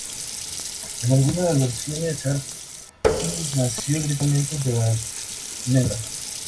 En algunas versiones, Atis nació directamente de la almendra.